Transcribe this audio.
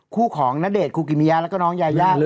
คู่ของณเดชนคูกิมิยะแล้วก็น้องยายา